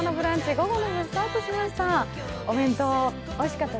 午後の部、スタートしました。